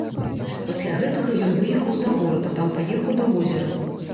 Пасля гэтага ён выехаў за горад, а там паехаў да возера.